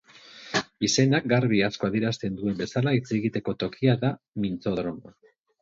Izenak garbi asko adierazten duen bezala hitzegiteko tokia da mintzodromoa.